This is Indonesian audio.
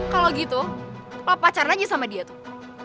kalau gitu lo pacaran aja sama dia tuh